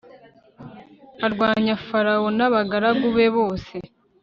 arwanya farawo n'abagaragu be bose